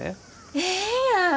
ええやん！